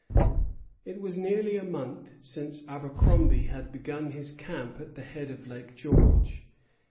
It was nearly a month since Abercromby had begun his camp at the head of Lake George.